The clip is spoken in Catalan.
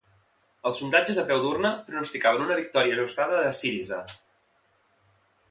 El sondatges a peu d'urna pronosticaven una victòria ajustada de Syriza.